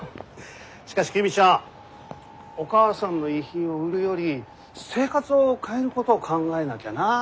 しかし公ちゃんお母さんの遺品を売るより生活を変えることを考えなきゃな。